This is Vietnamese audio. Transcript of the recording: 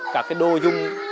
các cái đồ dùng